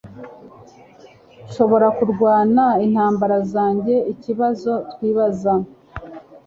Nshobora kurwana intambara zanjye ikibazo twibaza